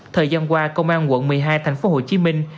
thời gian qua công an quận một mươi hai thành phố hồ chí minh